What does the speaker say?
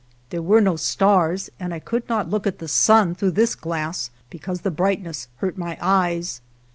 There were no stars, and I could not look at the sun through this glass because the brightness hurt my eyes.